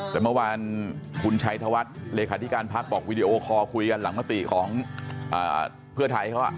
แต่เมื่อวานคุณชัยธวัฒน์เลขาธิการพักบอกวีดีโอคอลคุยกันหลังมติของเพื่อไทยเขา